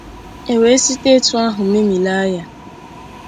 e wee site etu ahụ memilaa ha.